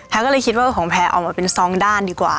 ก็เลยคิดว่าของแพรออกมาเป็นสองด้านดีกว่า